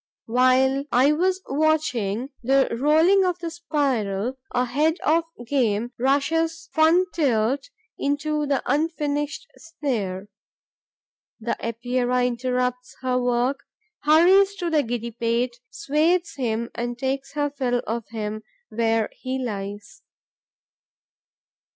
While I am watching the rolling of the spiral, a head of game rushes fun tilt into the unfinished snare. The Epeira interrupts her work, hurries to the giddy pate, swathes him and takes her fill of him where he lies.